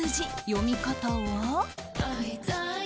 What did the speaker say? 読み方は。